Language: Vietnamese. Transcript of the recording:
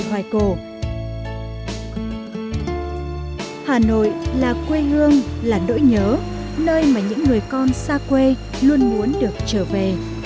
hà nội là quê hương là nỗi nhớ nơi mà những người con xa quê luôn muốn được trở về